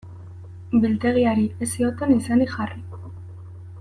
Biltegiari ez zioten izenik jarri.